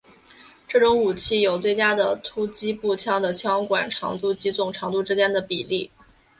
这种武器有最佳的突击步枪的枪管长度及总长度之间的比例。